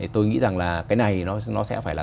tôi nghĩ rằng là cái này nó sẽ phải là